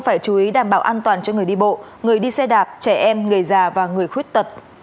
phải chú ý đảm bảo an toàn cho người đi bộ người đi xe đạp trẻ em người già và người khuyết tật